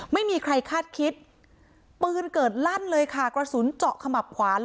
ไม่มีใครคาดคิดปืนเกิดลั่นเลยค่ะกระสุนเจาะขมับขวา